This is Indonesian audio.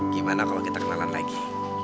gimana kalau kita kenalan lagi